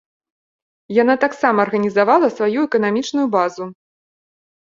Яна таксама арганізавала сваю эканамічную базу.